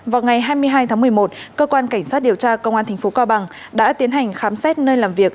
vào ngày hai mươi hai tháng một mươi một cơ quan cảnh sát điều tra công an tp cao bằng đã tiến hành khám xét nơi làm việc